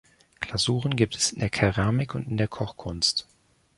Glasuren gibt es in der Keramik und der Kochkunst.